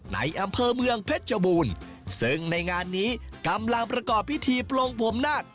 อำเภอเมืองเพชรชบูรณ์ซึ่งในงานนี้กำลังประกอบพิธีปลงผมนาค